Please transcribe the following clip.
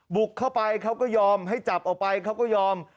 บุกเข้าไปเขาก็ยอมให้จับออกไปเขาก็ยอม